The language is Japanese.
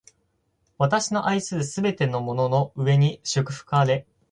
私の愛するすべてのものの上に祝福あれ！